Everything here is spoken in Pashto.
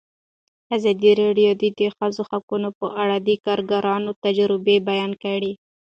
ازادي راډیو د د ښځو حقونه په اړه د کارګرانو تجربې بیان کړي.